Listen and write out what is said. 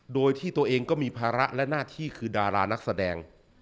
โดยที่ตัวเองก็มีภาระและหน้าที่คือดารานักแสดง